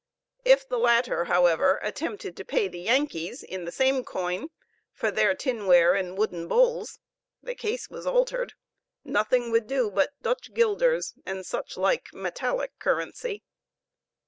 If the latter, however, attempted to pay the Yankees in the same coin for their tinware and wooden bowls the case was altered; nothing would do but Dutch guilders, and such like "metallic currency."